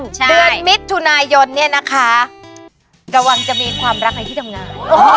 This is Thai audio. เดือนมิถุนายนเนี่ยนะคะกำลังจะมีความรักในที่ทำงาน